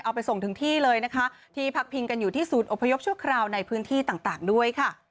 เอาไปส่งถึงที่เลยนะคะที่พักพิงกันอยู่ที่ศูนย์อพยพชั่วคราวในพื้นที่ต่างด้วยค่ะ